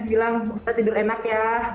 sebandingnya sebelum tidur kita udah komunikasi kita